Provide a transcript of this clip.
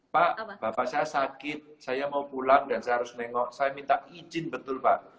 pak bapak saya sakit saya mau pulang dan saya harus nengok saya minta izin betul pak